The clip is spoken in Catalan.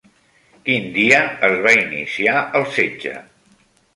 Quin dia es va iniciar el setge?